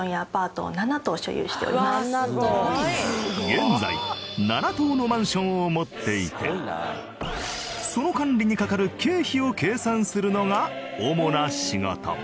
現在７棟のマンションを持っていてその管理にかかる経費を計算するのが主な仕事。